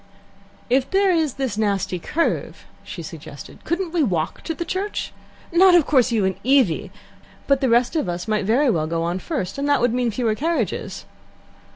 "If there is this nasty curve," she suggested, "couldn't we walk to the church? Not, of course, you and Evie; but the rest of us might very well go on first, and that would mean fewer carriages."